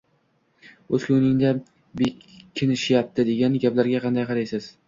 o‘z ko‘ngliga bekinishyapti, degan gaplarga qanday qaraysiz?